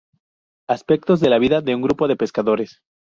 Aspectos de la vida de un grupo de pescadores.